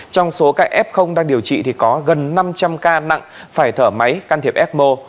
trong số các f đang điều trị thì có gần năm trăm linh ca nặng phải thở máy can thiệp ecmo